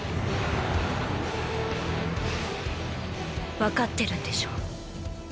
わかってるんでしょ？